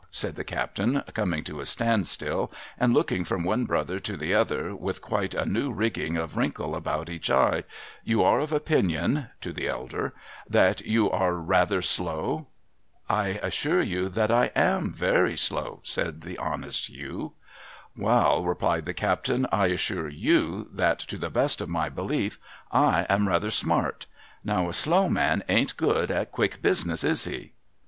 said the captain, coming to a standstill, and looking from one brother to the other, with quite a new rigging of wrinkles about each eye ;' you are of opinion,' to the elder, ' that you are ra'ather slow ?'' I assure you I am very slow,' said the honest Hugh. ' Wa'al,' replied the captain, ' I assure yori. that to the best of my belief I am ra'ather smart. Now a slow man ain't good at quick business, is he